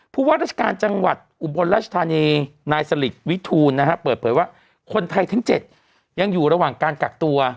ผู้ว่าราชการจังหวัดอุบลราชธานีนายสลิดวิทูลนะฮะเปิดเผยว่าคนไทยทั้ง๗ยังอยู่ระหว่างการกักตัว